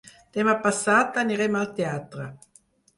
Demà passat anirem al teatre.